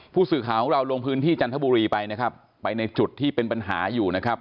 ผู้สื่อข่าวของเราลงพื้นที่จันทบุรีไปนะครับไปในจุดที่เป็นปัญหาอยู่นะครับ